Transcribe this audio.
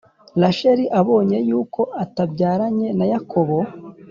Rasheli abonye yuko atabyaranye na Yakobo